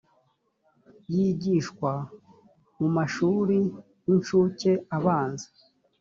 yigishwa mu mashuri y incuke abanza